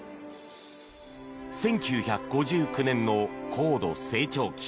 １９５９年の高度成長期。